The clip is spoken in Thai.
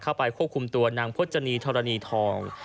เข้าไปควบคุมตัวนางพจนีธรณีทอง